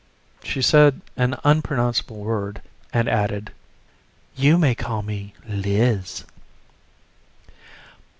She said an unpronounceable word and added: "You may call me Liz."